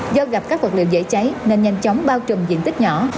do gặp các vật liệu dễ cháy nên nhanh chóng bao trùm diện tích nhỏ